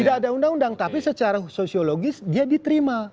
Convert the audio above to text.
tidak ada undang undang tapi secara sosiologis dia diterima